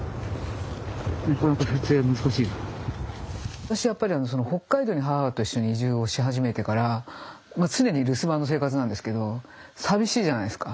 私はやっぱりあの北海道に母と一緒に移住をし始めてから常に留守番の生活なんですけど寂しいじゃないですか。